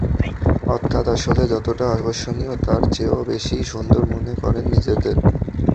অর্থাৎ আসলে যতটা আকর্ষণীয়, তার চেয়েও বেশি সুন্দর মনে করেন নিজেদের।